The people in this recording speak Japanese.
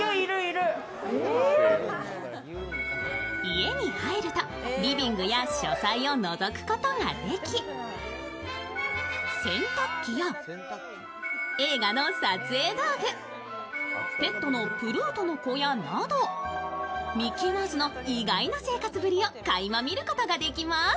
家に入るとリビングや書斎をのぞくことができ洗濯機や映画の撮影道具、ペットのプルートの小屋などミッキーマウスの意外な生活ぶりをかいま見ることができます。